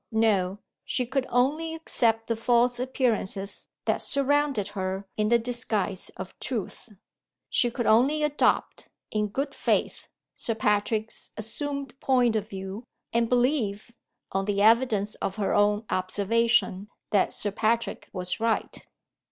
No. She could only accept the false appearances that surrounded her in the disguise of truth. She could only adopt, in good faith, Sir Patrick's assumed point of view, and believe, on the evidence of her own observation, that Sir Patrick was right.